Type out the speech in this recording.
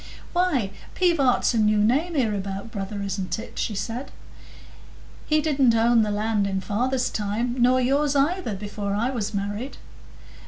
"Why, Pivart's a new name hereabout, brother, isn't it?" she said; "he didn't own the land in father's time, nor yours either, before I was married."